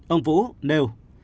ông vũ nêu